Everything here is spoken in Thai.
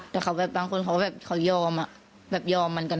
แต่เขาแบบบางคนเขาแบบเขายอมแบบยอมเหมือนกัน